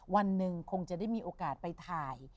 วันหนึ่งคงจะได้มีโอกาสไปถ่าย